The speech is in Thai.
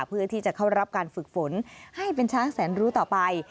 เพื่อที่จะเข้ารับการฝึกฝนให้เป็นช้างแสนรู้ต่อไป